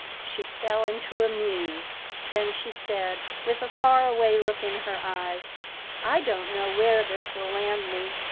She fell into a muse. Then she said, with a far away look in her eyes: "I don't know where this will land me.